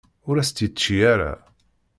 Ur as-tt-yečči ara.